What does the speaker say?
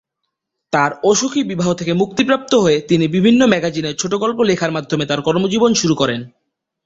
তার অসুখী বিবাহ থেকে মুক্তিপ্রাপ্ত হয়ে তিনি বিভিন্ন ম্যাগাজিনে ছোটগল্প লেখার মাধ্যমে তার কর্মজীবন শুরু করেন।